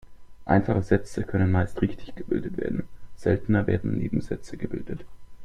Einfache Sätze können meist richtig gebildet werden, seltener werden Nebensätze gebildet.